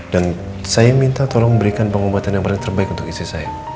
dan saya minta tolong berikan pengobatan yang paling terbaik untuk istri saya